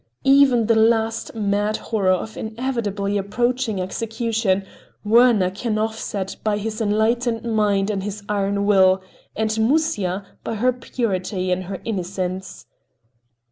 Even the last mad horror of inevitably approaching execution Werner can offset by his enlightened mind and his iron will, and Musya, by her purity and her innocence.